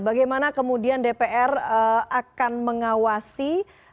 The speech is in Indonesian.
bagaimana kemudian dpr akan mengawasi